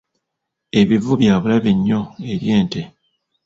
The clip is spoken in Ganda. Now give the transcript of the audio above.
Ebivu bya bulabe nnyo eri ente.